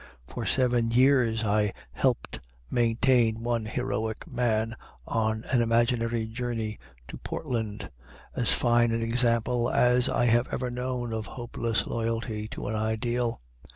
For seven years I helped maintain one heroic man on an imaginary journey to Portland, as fine an example as I have ever known of hopeless loyalty to an ideal.